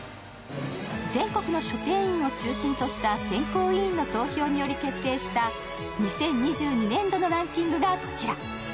全国の書店員を中心とした選考委員の投票により決定した２０２２年度のランキングがこちら。